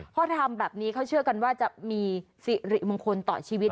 พอทำแบบนี้เขาเชื่อกันว่าจะมีสิริมงคลต่อชีวิต